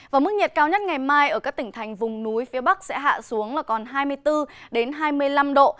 và mức nhiệt cao nhất ngày mai ở các tỉnh thành vùng núi phía bắc sẽ hạ xuống là còn hai mươi bốn hai mươi năm độ